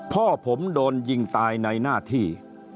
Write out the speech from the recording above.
พ่อผมโดนยิงตายในหน้าที่